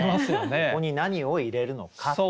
ここに何を入れるのかという。